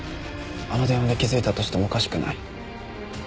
あの電話で気づいたとしてもおかしくない。